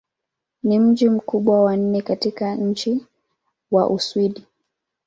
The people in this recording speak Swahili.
Ni mji mkubwa wa nne katika nchi wa Uswidi.